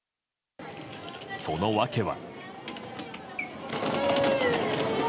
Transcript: その訳は。